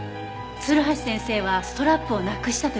鶴橋先生はストラップをなくしたと言ってたでしょ？